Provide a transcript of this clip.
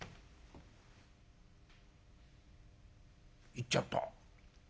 「行っちゃった。